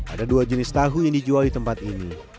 ada dua jenis tahu yang dijual di tempat ini